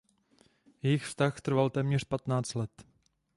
Jejich vztah trval téměř patnáct let.